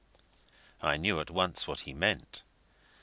I knew at once what he meant.